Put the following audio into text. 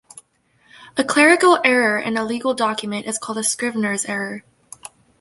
A clerical error in a legal document is called a scrivener's error.